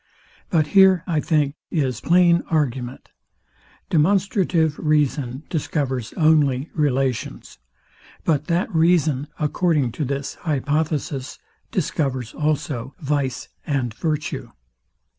But here, I think, is plain argument. Demonstrative reason discovers only relations. But that reason, according to this hypothesis, discovers also vice and virtue.